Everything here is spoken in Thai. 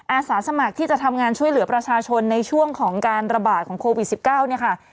อาสาสมัครที่จะทำงานช่วยเหลือประชาชนในช่วงของการระบาดของโควิด๑๙เนี่ยค่ะ